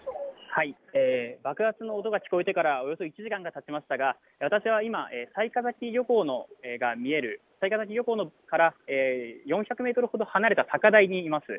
爆発の音が聞こえてからおよそ１時間がたちましたが私は今、雑賀崎漁港が見える雑賀崎漁港から４００メートルほど離れた高台にいます。